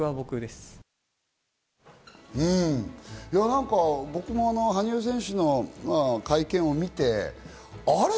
何か僕も羽生選手の会見を見て、あれ？